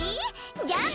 じゃあね！